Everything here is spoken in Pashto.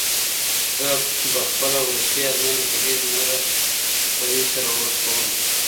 زه به خپله وروستۍ ازموینه په ډېرې نره ورۍ سره ورکوم.